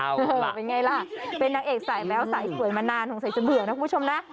เออเป็นไงล่ะเป็นนางเอกสายแม้วสายสวยมานานสงสัยจะเบื่อนะคุณผู้ชมนะ